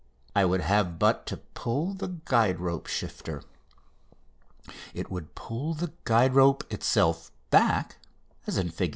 I would have but to pull in the guide rope shifter. It would pull the guide rope itself back (Fig.